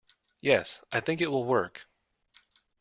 Yes, I think it will work.